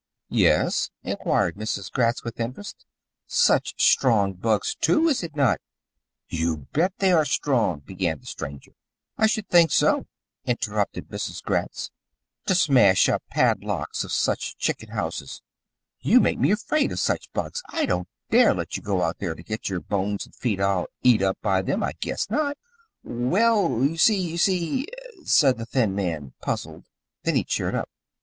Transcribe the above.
"Yes?" inquired Mrs. Gratz with interest. "Such strong bugs, too, is it not?" "You bet they are strong " began the stranger. "I should think so," interrupted Mrs. Gratz, "to smash up padlocks on such chicken houses. You make me afraid of such bugs. I don't dare let you go out there to get your bones and feet all eat up by them. I guess not!" "Well, you see you see " said the thin Santa Claus, puzzled, and then he cheered up.